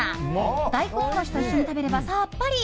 大根おろしと一緒に食べればさっぱり。